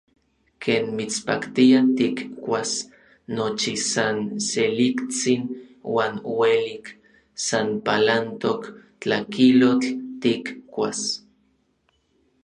Ken mitspaktia tikkuas nochi san seliktsin uan uelik, san palantok tlakilotl tikkuas.